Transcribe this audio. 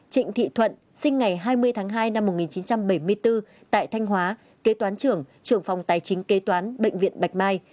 trịnh thị thuận sinh ngày hai mươi tháng hai năm một nghìn chín trăm bảy mươi bốn tại thanh hóa kế toán trưởng trưởng phòng tài chính kế toán bệnh viện bạch mai